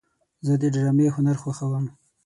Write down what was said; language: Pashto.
زه د ډرامې هنر خوښوم.